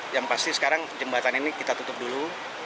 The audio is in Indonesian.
yang pasti sekarang jembatan ini kita tutup dulu